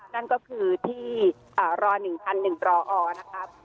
นั่นก็คือที่ร๑๑รอนะครับ